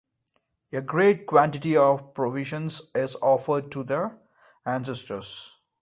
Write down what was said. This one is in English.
A great quantity of provisions is offered to the ancestors.